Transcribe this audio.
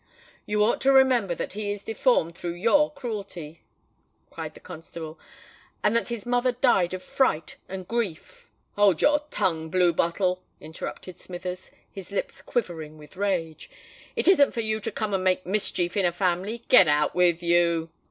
"You ought to remember that he is deformed through your cruelty," cried the constable, "and that his mother died of fright and grief——" "Hold your tongue, blue bottle!" interrupted Smithers, his lips quivering with rage. "It isn't for you to come and make mischief in a family. Get out with you!"